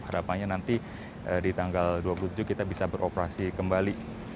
harapannya nanti di tanggal dua puluh tujuh kita bisa beroperasi kembali